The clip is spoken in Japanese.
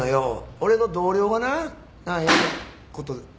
俺の同僚がなやったこと。